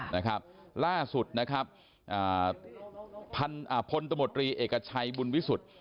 นะครับล่าสุดนะครับพลตมตรีเอกชัยบุญวิสุทธิ์